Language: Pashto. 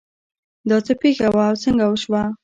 دا څه پېښه وه او څنګه وشوه